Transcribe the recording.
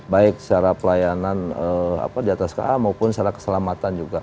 baik secara pelayanan di atas ka maupun secara keselamatan juga